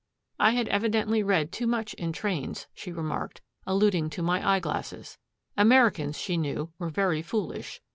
I had evidently read too much in trains, she remarked, alluding to my eye glasses. Americans, she knew, were very foolish.